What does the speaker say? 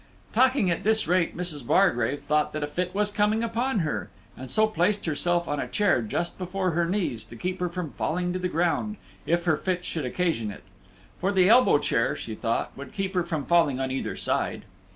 Talking at this rate, Mrs. Bargrave thought that a fit was coming upon her, and so placed herself on a chair just before her knees, to keep her from falling to the ground, if her fits should occasion it; for the elbow chair, she thought, would keep her from falling on either side.